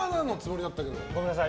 ごめんなさい。